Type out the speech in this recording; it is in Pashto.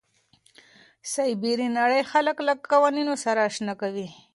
سایبري نړۍ خلک له قوانینو سره اشنا کوي.